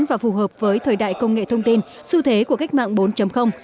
và phù hợp với thời đại công nghệ thông tin xu thế của cách mạng bốn